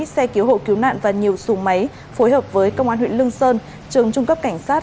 hai xe cứu hộ cứu nạn và nhiều xuồng máy phối hợp với công an huyện lương sơn trường trung cấp cảnh sát